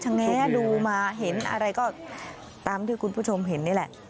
ชะแงว์ดูมาเห็นอะไรตามวิทยาลัยคุณผู้ชมเห็นนี่แหละ